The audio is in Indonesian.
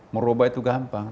merubah itu gampang